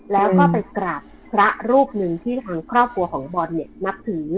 แล้วก็ไปกราบพระรูปหนึ่งที่ทางครอบครัวของบอลเนี่ยนับถือ